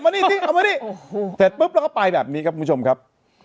เอามานี่โอ้โหเสร็จปุ๊บแล้วก็ไปแบบนี้ครับคุณผู้ชมครับ